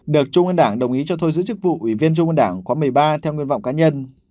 được trung ương đảng đồng ý cho thôi giữ chức vụ ủy viên trung ương đảng khóa một mươi ba theo nguyện vọng cá nhân